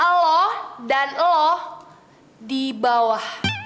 halo dan lo di bawah